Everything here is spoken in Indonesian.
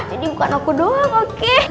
jadi bukan aku doang oke